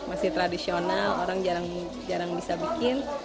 masih tradisional orang jarang bisa bikin